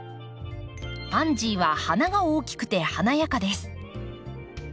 パンジーは花が大きくて華やかです。